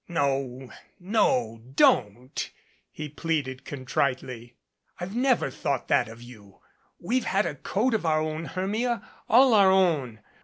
"No, no, don't!" he pleaded contritely. "I've never thought that of you. We've had a code of our own, Hermia all our own.